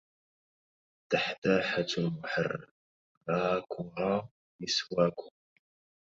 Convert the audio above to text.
دحداحة محراكها مسواكها